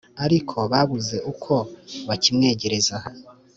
ariko babuze uko bakimwegereza